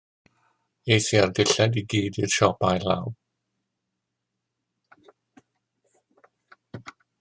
Es i â'r dillad i gyd i'r siop ail law.